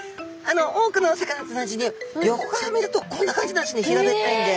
多くのお魚と同じに横から見るとこんな感じなんですね平べったいんで。